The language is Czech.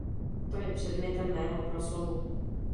To je předmětem mého proslovu.